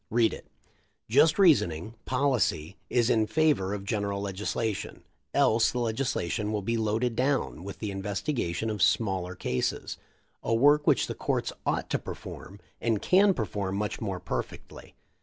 (Read it.) "Just reasoning — policy — is in favor of general legislation — else the legislature will be loaded down 340 THE LIFE 0F LINCOLN. with the investigation of smaller cases — a work which the courts ought to perform, and can perform much more perfectly.